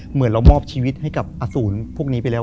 เหมือนเรามอบชีวิตให้กับอสูรพวกนี้ไปแล้ว